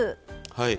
はい。